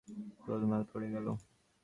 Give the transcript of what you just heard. গোলমাল পড়ে গেল।